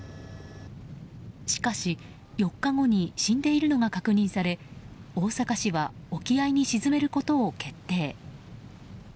しかし、４日後に死んでいるのが確認され大阪市は沖合に沈めることを決定。